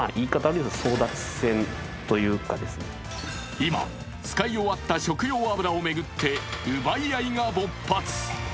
今、使い終わった食用油を巡って奪い合いが勃発。